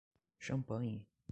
Champanhe!